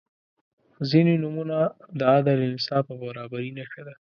• ځینې نومونه د عدل، انصاف او برابري نښه ده.